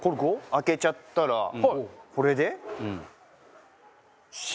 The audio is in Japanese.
開けちゃったらこれで。